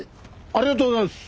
ありがとうございます！